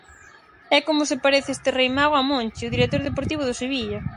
E como se parece este rei mago a Monchi, o director deportivo do Sevilla.